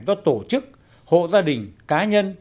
do tổ chức hộ gia đình cá nhân